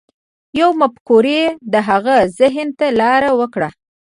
يوې مفکورې د هغه ذهن ته لار وکړه.